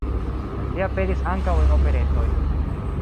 Li aperis ankaŭ en operetoj.